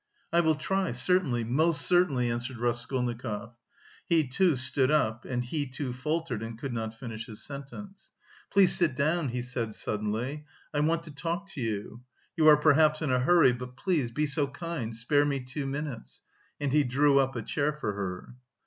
"I will try, certainly, most certainly," answered Raskolnikov. He, too, stood up, and he, too, faltered and could not finish his sentence. "Please sit down," he said, suddenly. "I want to talk to you. You are perhaps in a hurry, but please, be so kind, spare me two minutes," and he drew up a chair for her.